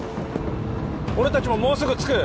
俺達ももうすぐ着く！